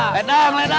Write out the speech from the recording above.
ledang ledang ledang